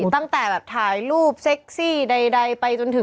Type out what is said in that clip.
ตั้งแต่แบบถ่ายรูปเซ็กซี่ใดไปจนถึง